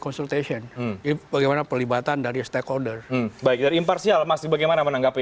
consultation bagaimana pelibatan dari stakeholder baik dari imparsial masih bagaimana menanggapi